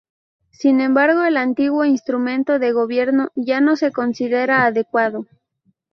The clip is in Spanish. Sin embargo, el antiguo Instrumento de Gobierno ya no se considera adecuado.